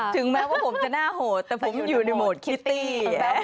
ถึงแม้ว่าผมจะหน้าโหดแต่ผมอยู่ในโหมดคิตตี้